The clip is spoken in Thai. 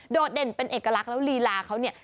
เด่นเป็นเอกลักษณ์แล้วลีลาเขาเนี่ย